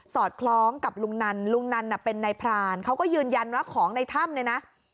อดคล้องกับลุงนันลุงนันน่ะเป็นนายพรานเขาก็ยืนยันว่าของในถ้ำเนี่ยนะ